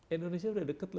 indonesia udah deket loh